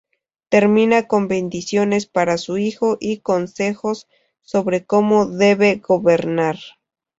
Termina con bendiciones para su hijo y consejos sobre cómo debe gobernar.